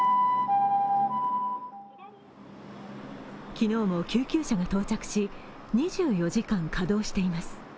昨日も救急車が到着し、２４時間、稼働しています。